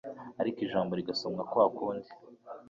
ariko ijambo rigasomwa kwa kundi.